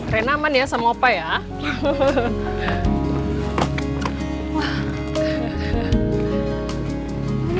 ren aman ya sama opa ya